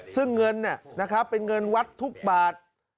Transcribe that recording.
ซึ่งเงินเป็นเงินวัดทุกบาท